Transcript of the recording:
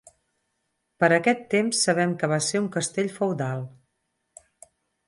Per aquest temps sabem que va ser un castell feudal.